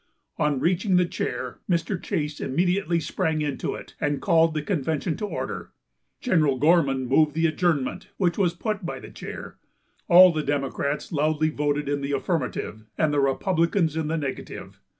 On reaching the chair, Mr. Chase immediately sprang into it, and called the convention to order. General Gorman moved the adjournment, which was put by the chair. All the Democrats loudly voted in the affirmative and the Republicans in the negative.